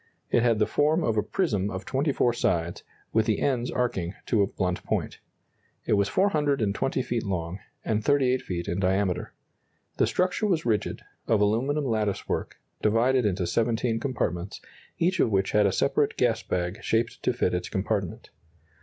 It had the form of a prism of 24 sides, with the ends arching to a blunt point. It was 420 feet long, and 38 feet in diameter. The structure was rigid, of aluminum lattice work, divided into 17 compartments, each of which had a separate gas bag shaped to fit its compartment.